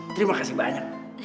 terima kasih banyak